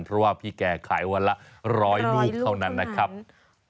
เพราะว่าพี่แกขายวันละร้อยลูกเท่านั้นนะครับร้อยลูกเท่านั้น